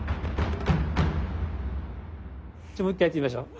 じゃあもう一回やってみましょう。